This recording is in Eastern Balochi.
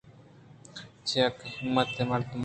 چیاکہ ہمّت ء مَرداں